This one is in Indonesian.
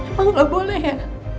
emang gak boleh ya